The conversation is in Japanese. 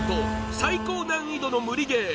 最高難易度の無理ゲー